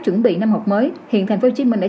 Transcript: chuẩn bị năm học mới hiện tp hcm đã